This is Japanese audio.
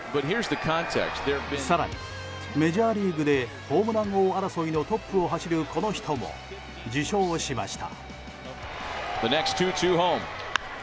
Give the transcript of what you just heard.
更に、メジャーリーグでホームラン王争いのトップを走るこの人も受賞しました。